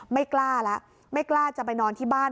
ไม่กล้าแล้วไม่กล้าจะไปนอนที่บ้าน